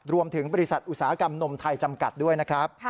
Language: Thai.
รวมถึงบริษัทอุตสาหกรรมนมไทยจำกัดด้วยนะครับ